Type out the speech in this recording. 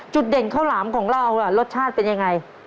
เด่นข้าวหลามของเรารสชาติเป็นยังไง